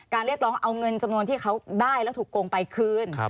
เรียกร้องเอาเงินจำนวนที่เขาได้แล้วถูกโกงไปคืน